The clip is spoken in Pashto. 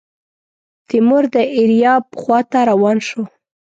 تیمور د ایریاب خواته روان شو.